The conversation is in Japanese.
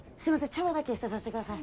茶葉だけ捨てさせてください。